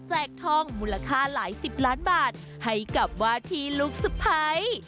ทองมูลค่าหลายสิบล้านบาทให้กับวาทีลูกสะพ้าย